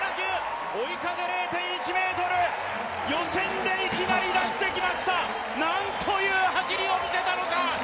追い風０．１メートル予選でいきなり出してきました何という走りを見せたのか。